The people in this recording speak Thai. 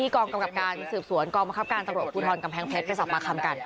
กองบังคับการตรวจคุณธรรมกำแพงเพชรได้สอบมาคำกัน